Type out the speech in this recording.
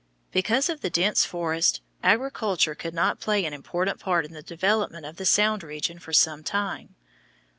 Because of the dense forests, agriculture could not play an important part in the development of the sound region for some time.